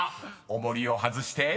［重りを外して］